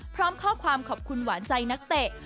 พร้อมข้อความขอบคุณหวานใจนักเตะ